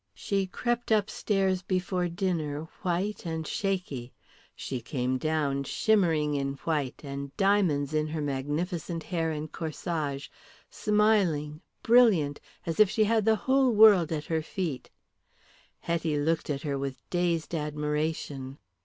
She crept upstairs before dinner white and shaky; she came down shimmering in white, and diamonds in her magnificent hair and corsage, smiling, brilliant, as if she had the whole world at her feet. Hetty looked at her with dazed admiration.